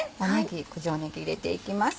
九条ねぎ入れていきます。